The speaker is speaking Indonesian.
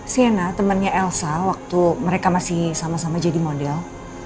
siena temannya elsa waktu mereka masih sama sama jadi model